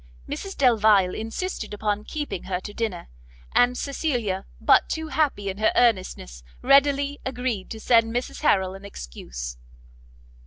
Mrs Delvile insisted upon keeping her to dinner, and Cecilia, but too happy in her earnestness, readily agreed to send Mrs Harrel an excuse.